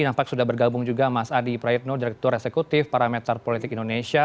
nampak sudah bergabung juga mas adi prayitno direktur eksekutif parameter politik indonesia